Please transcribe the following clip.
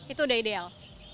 itu udah ideal